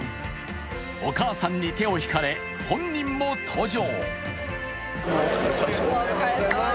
お母さんに手を引かれ本人も登場。